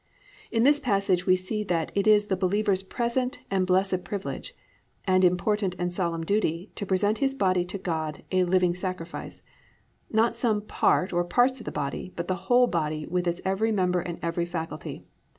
"+ In this passage we see that _it is the believer's present and blessed privilege, and important and solemn duty, to present his body to God a living sacrifice—not some part or parts of the body, but the whole body with its every member and every faculty.